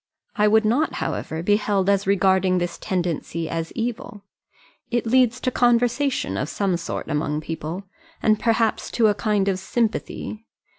I would not, however, be held as regarding this tendency as evil. It leads to conversation of some sort among people, and perhaps to a kind of sympathy.